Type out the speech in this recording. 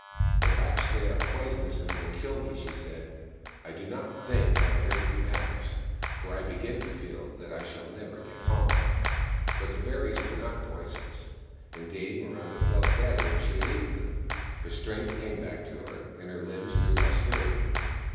" Perhaps they are poisonous, and will kill me," she said. " I do not think that greatly matters, for I begin to feel that I shall never get home." But the berries were not poisonous. Indeed, Miraga felt better when she had eaten them. Her strength came back to her, and her limbs grew less weary.